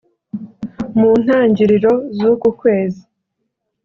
mu ntangiriro z’uku kwezi